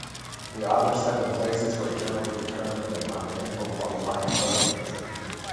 The other seven places were generally determined by continental qualifying tournaments.